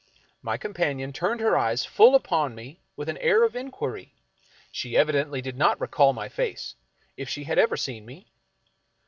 My companion turned her eyes full upon me with an air of inquiry. She evidently did not recall my face, if she had ever seen me.